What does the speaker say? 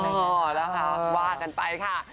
อ๋อแล้วค่ะว่ากันไปค่ะ